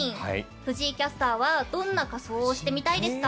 藤井キャスターはどんな仮装をしてみたいですか？